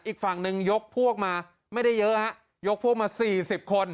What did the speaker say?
อีกฝั่งหนึ่งยกพวกมาไม่ได้เยอะฮะยกพวกมาสี่สิบคน